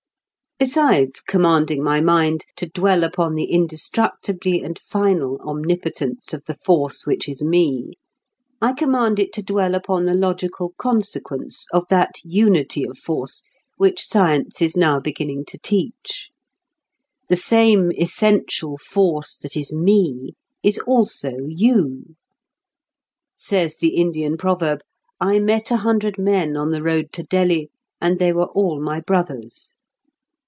Besides commanding my mind to dwell upon the indestructibly and final omnipotence of the Force which is me, I command it to dwell upon the logical consequence of that unity of force which science is now beginning to teach. The same essential force that is me is also you. Says the Indian proverb: "I met a hundred men on the road to Delhi, and they were all my brothers."